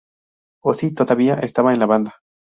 Ozzy todavía estaba en la banda.